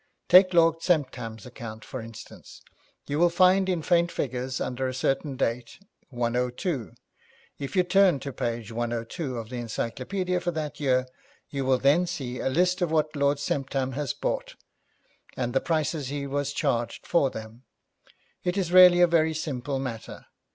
Take Lord Semptam's account, for instance. You will find in faint figures under a certain date, 102. If you turn to page 102 of the encyclopaedia for that year, you will then see a list of what Lord Semptam has bought, and the prices he was charged for them. It is really a very simple matter.